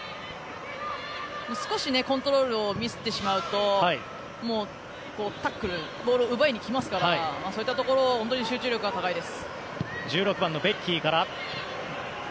少しコントロールをミスってしまうとタックルボールを奪いに来ますからそういったところ本当に集中力高いです。